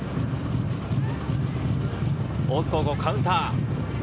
大津高校カウンター。